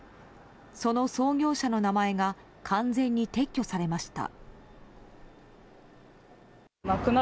その創業者の名前が完全に撤去されました。